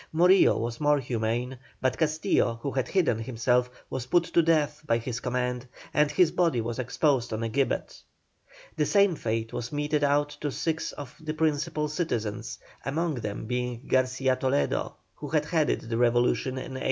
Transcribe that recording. Morillo was more humane, but Castillo, who had hidden himself, was put to death by his command, and his body was exposed on a gibbet. The same fate was meted out to six of the principal citizens, among them being Garcia Toledo, who had headed the revolution in 1810.